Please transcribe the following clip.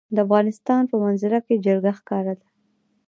د افغانستان په منظره کې جلګه ښکاره ده.